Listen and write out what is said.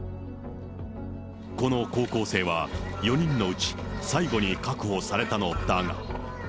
この高校生は、４人のうち最後に確保されたのだが。